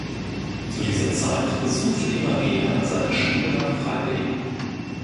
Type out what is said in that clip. Zu dieser Zeit suchte die Marine an seiner Schule nach Freiwilligen.